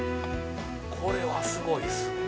これはすごいですね